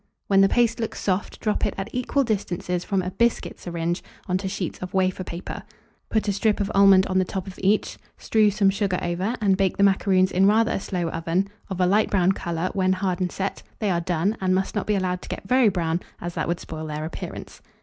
When the paste looks soft, drop it at equal distances from a biscuit syringe on to sheets of wafer paper; put a strip of almond on the top of each; strew some sugar over, and bake the macaroons in rather a slow oven, of a light brown colour when hard and set, they are done, and must not be allowed to get very brown, as that would spoil their appearance.